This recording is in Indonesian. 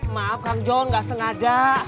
maaf kang john nggak sengaja